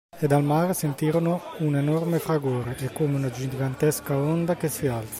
E dal mare sentirono un enorme fragore, e come una gigantesca onda che si alza